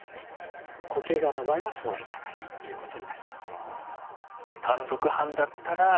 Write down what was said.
固形がんの場合はそうはいかないということになります。